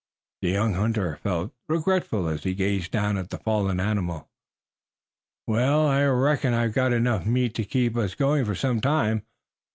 The young hunter felt regretful as he gazed down at the fallen animal. "Well, I reckon I've got enough meat to keep us going for some time. Mr.